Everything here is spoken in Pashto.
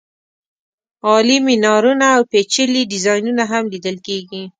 عالي مېنارونه او پېچلي ډیزاینونه هم لیدل کېږي.